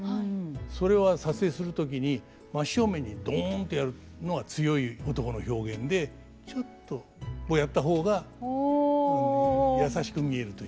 それは撮影する時に真っ正面にどんとやるのは強い男の表現でちょっとこうやった方が優しく見えるという。